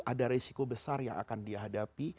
ada resiko besar yang akan dihadapi